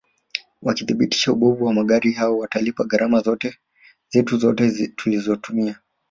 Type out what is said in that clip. wakithibitisha ubovu wa magari yao watalipa gharama zetu zote tulizotumia